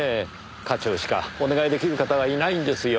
課長しかお願い出来る方がいないんですよ。